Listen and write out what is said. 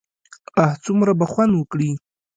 اه څومره به خوند وکړي.